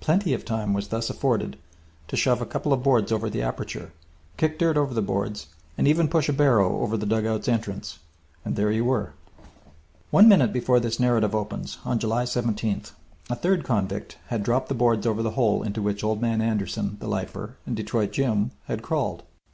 Plenty of time was thus afforded to shove a couple of boards over the aperture, kick dirt over the boards, and even push a barrow over the dugout's entrance and there you were! One minute before this narrative opens, on July 17th, a third convict had dropped the boards over the hole into which Old Man Anderson, the lifer, and Detroit Jim, had crawled.